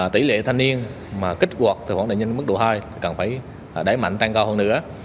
tỷ lệ thanh niên mà kích hoạt từ khoảng đại nhân mức độ hai càng phải đáy mạnh tăng cao hơn nữa